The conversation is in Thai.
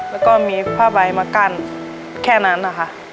แล้วก็มีผ้าใบมากั้นแค่นั้นนะคะ